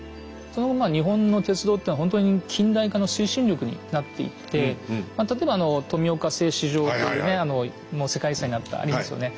その後日本の鉄道っていうのはほんとに近代化の推進力になっていって例えば富岡製糸場というねもう世界遺産になったありますよね。